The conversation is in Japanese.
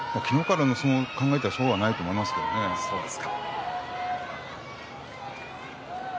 昨日からの相撲を考えたらそうはないと思いますけどね。